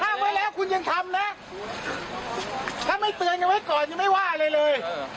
ไว้แล้วคุณยังทำนะถ้าไม่เตือนยังไว้ก่อนยังไม่ว่าอะไรเลย